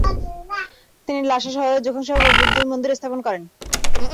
তিনি লাসা শহরে জোখাং সহ বহু বৌদ্ধ মন্দির স্থাপন করেন।